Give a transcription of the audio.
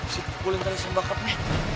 si pukulan tadi sama bapaknya